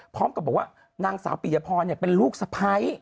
พร้อมกับบอกว่านางสาวปิยพรเป็นลูกสะพ้าย